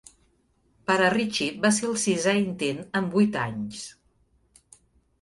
Per a Richie va ser el sisè intent en vuit anys.